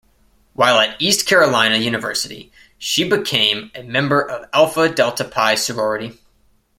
While at East Carolina University she became a member of Alpha Delta Pi sorority.